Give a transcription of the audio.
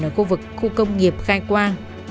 ở khu vực khu công nghiệp khai quang